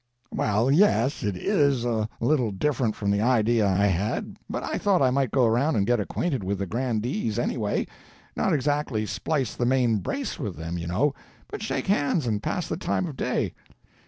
"Well, yes—it is a little different from the idea I had—but I thought I might go around and get acquainted with the grandees, anyway—not exactly splice the main brace with them, you know, but shake hands and pass the time of day."